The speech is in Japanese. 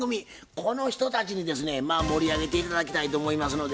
この人たちにですね盛り上げて頂きたいと思いますので。